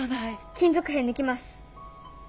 金属片抜きます。